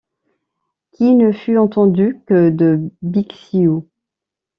qui ne fut entendu que de Bixiou.